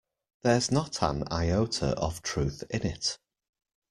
There's not an iota of truth in it.